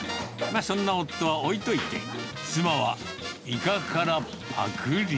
まあ、そんな夫は置いといて、妻はイカからぱくり。